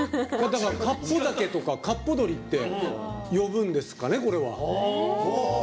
かっぽ酒とかかっぽ鶏って呼ぶんですかね、これは。ね？